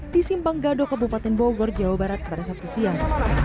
di simpanggado kabupaten bogor jawa barat pada sabtu siang